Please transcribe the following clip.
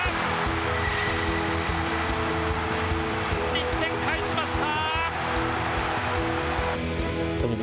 １点、返しました！